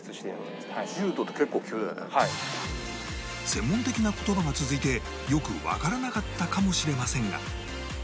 専門的な言葉が続いてよくわからなかったかもしれませんが